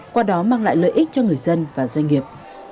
qua đó mang lại lợi ích cho người dân và doanh nghiệp